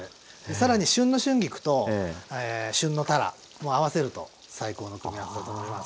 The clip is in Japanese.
更に旬の春菊とえ旬のたらも合わせると最高の組み合わせだと思います。